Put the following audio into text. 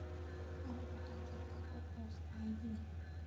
আমরা তাদের কারো খোঁজ পাইনি।